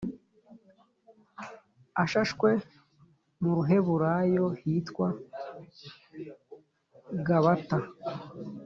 ashashwe mu Ruheburayo hitwa Gabata